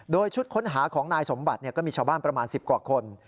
โดยชุดค้นหาของนายสมบัติก็มีชาวบ้านประมาณ๑๐กว่าคน